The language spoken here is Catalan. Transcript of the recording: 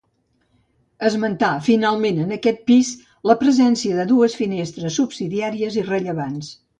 Esmentar, finalment en aquest primer pis, la presència de dues finestres subsidiàries irrellevants.